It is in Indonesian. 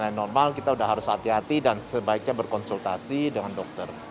yang normal kita sudah harus hati hati dan sebaiknya berkonsultasi dengan dokter